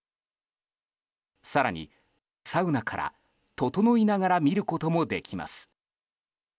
更に、サウナからととのいながら見ることもできます。